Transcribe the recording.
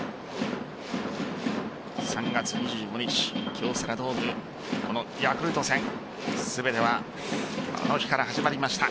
３月２５日、京セラドームこのヤクルト戦全てはあの日から始まりました。